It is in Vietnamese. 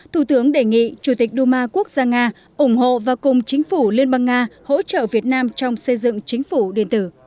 thủ tướng đề nghị chủ tịch đu ma quốc gia nga ủng hộ và cùng chính phủ liên bang nga hỗ trợ việt nam trong xây dựng chính phủ điện tử